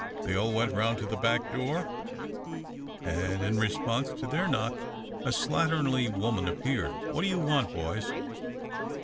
They all went around to the back door, and, in response to their knock a slatternly woman appeared. "What you want, boys?"